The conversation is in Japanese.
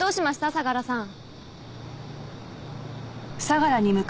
相良さん！